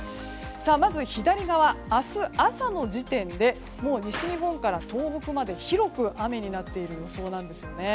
まず左側、明日朝の時点で西日本から東北まで、広く雨になっている予想なんですね。